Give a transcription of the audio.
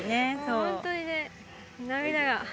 本当にね、涙が。